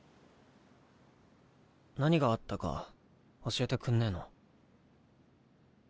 何があったか教えてくんねぇの？